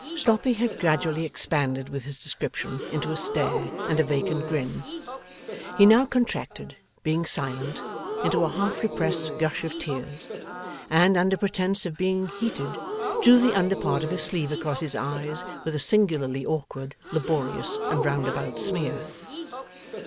Sloppy had gradually expanded with his description into a stare and a vacant grin. He now contracted, being silent, into a half repressed gush of tears, and, under pretence of being heated, drew the under part of his sleeve across his eyes with a singularly awkward, laborious, and roundabout smear.